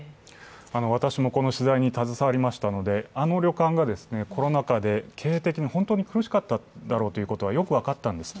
私もこの取材に携わりましたので、あの旅館がコロナ禍で経営的に本当に苦しかっただろうというのはよく分かったんです。